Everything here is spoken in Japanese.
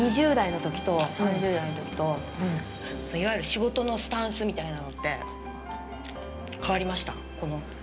２０代のときと３０代のときといわゆる仕事のスタンスみたいなのって、変わりました？